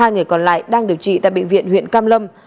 ba người còn lại đang điều trị tại bệnh viện huyện cam lâm